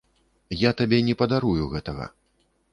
Я табе не падарую гэтага!